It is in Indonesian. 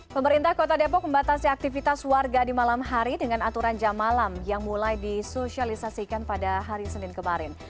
pemerintah kota depok membatasi aktivitas warga di malam hari dengan aturan jam malam yang mulai disosialisasikan pada hari senin kemarin